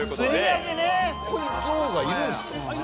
ここにゾウがいるんですか？